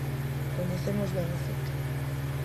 Coñecemos ben o ciclo.